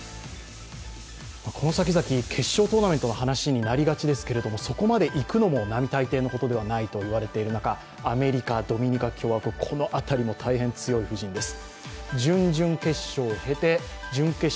この先々、決勝トーナメントの話になりがちですけれども、そこまで行くのも並大抵のことではないといわれている中アメリカ、ドミニカ共和国の辺りも大変強い布陣です。